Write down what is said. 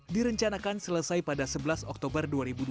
direncanakan selesai pada sebelas oktober dua ribu dua puluh